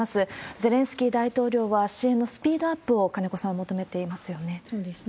ゼレンスキー大統領は支援のスピードアップを、金子さん、そうですね。